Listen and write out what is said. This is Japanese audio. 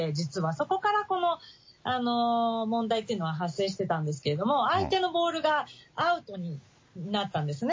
そこからこの問題というのは発生してたんですけども、相手のボールがアウトになったんですね。